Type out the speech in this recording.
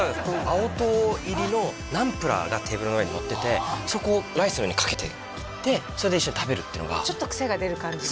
青唐入りのナンプラーがテーブルの上にのっててそこをライスの上にかけていってそれで一緒に食べるっていうのがちょっとクセが出る感じの？